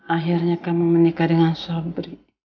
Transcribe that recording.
akhirnya kamu menikah dengan santri